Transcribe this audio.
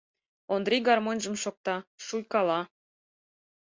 Ондрий гармоньжым шокта, шуйкала.